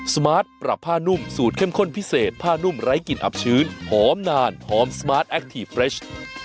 สมาร์ทปรับผ้านุ่มสูตรเข้มข้นพิเศษผ้านุ่มไร้กลิ่นอับชื้นหอมนานหอมสมาร์ทแอคทีฟเรช